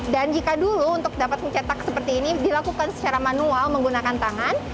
dan jika dulu untuk dapat mencetak seperti ini dilakukan secara manual menggunakan tangan